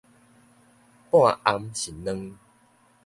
半掩是兩